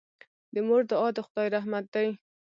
د مور دعا د خدای رحمت دی.